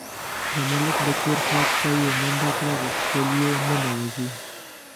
د ملک د کور خواته یې منډه کړه، غوښتل یې ننوځي.